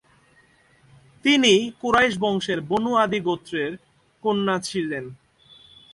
তিনি কুরাইশ বংশের Banu Adi গোত্রের কন্যা ছিলেন।